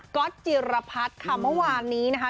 ก็จิรพัฒน์ค่ะเมื่อวานนี้นะคะ